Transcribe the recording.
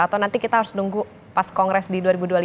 atau nanti kita harus nunggu pas kongres di dua ribu dua puluh lima